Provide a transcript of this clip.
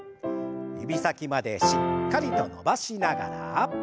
指先までしっかりと伸ばしながら。